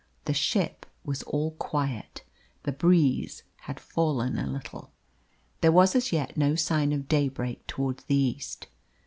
The ship was all quiet. The breeze had fallen a little. There was as yet no sign of daybreak towards the east.